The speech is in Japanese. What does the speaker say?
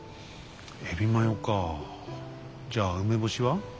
エビマヨかあじゃあ梅干しは？